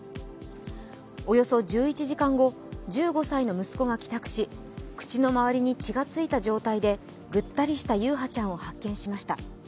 およそ１１時間後、１５歳の息子が帰宅し、口の周りに血がついた状態でぐったりした優陽ちゃんを発見しました。